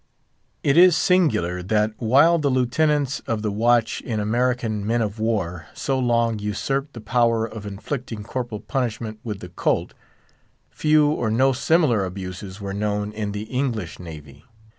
It is singular that while the Lieutenants of the watch in American men of war so long usurped the power of inflicting corporal punishment with the colt, few or no similar abuses were known in the English Navy.